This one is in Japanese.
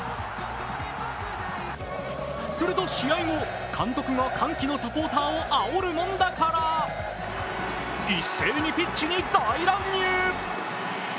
すると、試合後、監督が歓喜のサポーターをあおるもんだから一斉にピッチに大乱入。